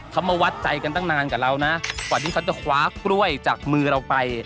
เขามาวัดใจกันตั้งนานกับเรานะกว่าที่เขาจะคว้ากล้วยจากมือเราไป